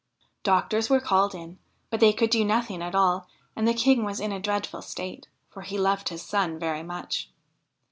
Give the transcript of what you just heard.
Doctors were called in, but they could do nothing at all, and the King was in a dreadful state, for he loved his son very much.